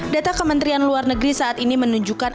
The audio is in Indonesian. data kementerian luar negeri saat ini menunjukkan